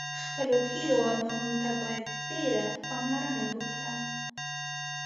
خپلو هیلو او ارمانونو ته باید ډېره پاملرنه وکړه.